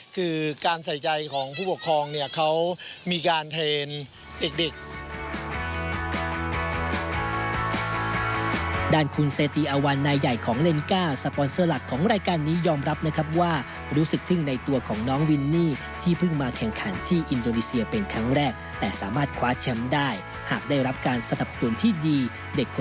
คือการใส่ใจของผู้ปกครองเนี่ยเขามีการเทรนด์เด็ก